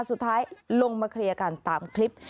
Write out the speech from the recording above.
สุดท้ายลงมาเคลียร์กันตามคลิป